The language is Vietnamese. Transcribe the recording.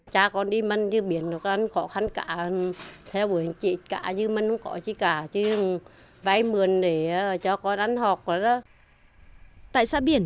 tại xã biển cảnh dương huyện quảng trạch một trong những địa phương có số lượng tàu thuyền đi biển